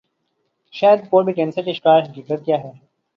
شاہد کپور بھی کینسر کے شکار حقیقت کیا ہے